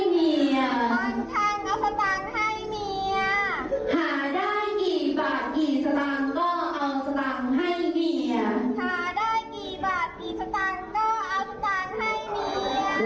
กี่สตางค์ก็เอาสตางให้หรือ